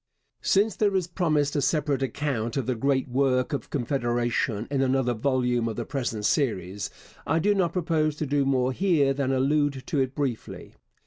Since there is promised a separate account of the great work of Confederation in another volume of the present Series, I do not propose to do more here than allude to it briefly.